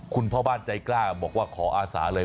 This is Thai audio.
คุณพ่อบ้านใจกล้าบอกว่าขออาสาเลย